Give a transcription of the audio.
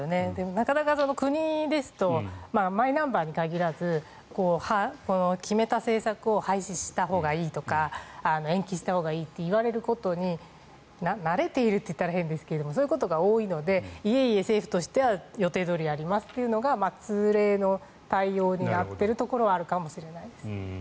なかなか国ですとマイナンバーに限らず決めた政策を廃止したほうがいいとか延期したほうがいいといわれることに慣れているというと変ですがそういうことが多いのでいえいえ、政府としては予定どおりやりますというのが通例の対応になっているところはあるかもしれないです。